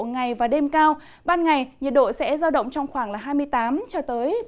trong ngày và đêm cao ban ngày nhiệt độ sẽ giao động trong khoảng hai mươi tám ba mươi một độ